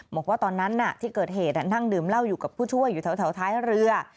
บอกว่าตอนนั้นที่เกิดเหตุนั่งดื่มเหล้าอยู่กับผู้ช่วยอยู่แถวท้ายเรือ